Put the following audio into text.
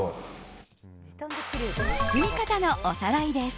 包み方のおさらいです。